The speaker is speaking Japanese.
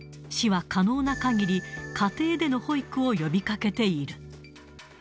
市は可能なかぎり、家庭での保育を呼びかけている。